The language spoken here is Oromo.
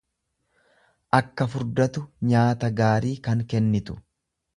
akka furdatu nyaata gaarii tan kennitu.